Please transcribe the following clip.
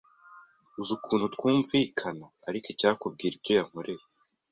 Uzi ukuntu twumvikana ariko icyakubwira ibyo yankoreye